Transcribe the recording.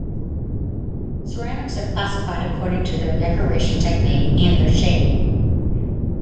Ceramics are classified according to their decoration technique and their shape.